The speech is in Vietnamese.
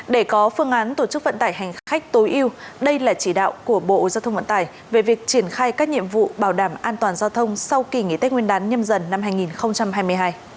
để có phương án tổ chức vận tải hành khách tối yêu đây là chỉ đạo của bộ giao thông vận tải về việc triển khai các nhiệm vụ bảo đảm an toàn giao thông sau kỳ nghỉ tết nguyên đán nhâm dần năm hai nghìn hai mươi hai